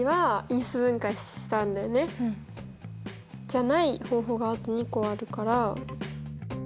じゃない方法があと２個あるから。